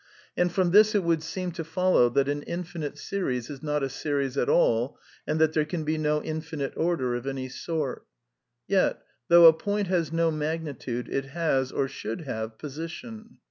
And from this it would seem to f ollow that an infinite series ]« r\n\ p sfiri^|5| pt. al]^ and that the re can ^ no ^'t^^ti^^^ rkrAar* n^ any ar^vt Yct, though a point has no magnitude, it has, or should have, position.